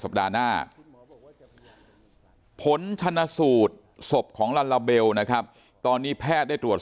สัปดาห์หน้าผลชนสูตรศพของลัลลาเบลนะครับตอนนี้แพทย์ได้ตรวจ